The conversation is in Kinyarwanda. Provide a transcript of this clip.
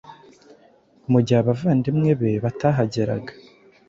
mu gihe abavandimwe be batahageraga.